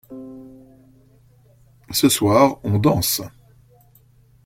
Ce soir on danse.